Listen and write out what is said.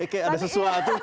kayak ada sesuatu